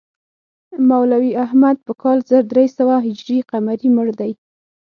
مولوي احمد په کال زر درې سوه هجري قمري مړ دی.